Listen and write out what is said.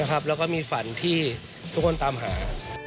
แล้วก็มีฝันที่ทุกคนตามหา